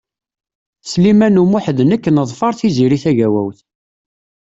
Sliman U Muḥ d nekk neḍfeṛ Tiziri Tagawawt.